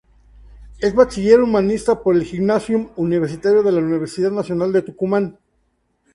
Es bachiller humanista por el Gymnasium Universitario de la Universidad Nacional de Tucumán.